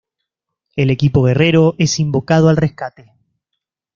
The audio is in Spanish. El Equipo Guerrero es invocado al rescate.